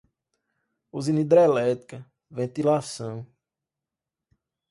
usina hidrelétrica, ventilação